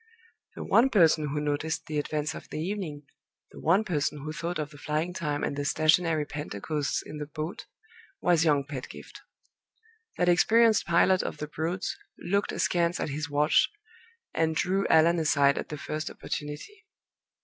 The one person who noticed the advance of the evening the one person who thought of the flying time and the stationary Pentecosts in the boat was young Pedgift. That experienced pilot of the Broads looked askance at his watch, and drew Allan aside at the first opportunity.